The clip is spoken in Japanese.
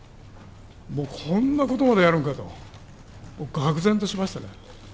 もうこんなことまでやるのかと、もうがく然としましたね。